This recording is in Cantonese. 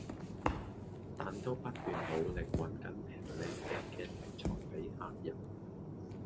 但都不斷努力搵緊平靚正嘅食材俾客人